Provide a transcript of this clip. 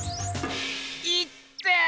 いってぇ！